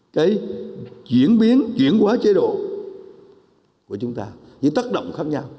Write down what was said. cái chuyển biến chuyển quá chế độ của chúng ta những tác động khác nhau